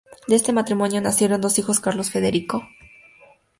De este matrimonio nacieron dos hijos Carlos Federico.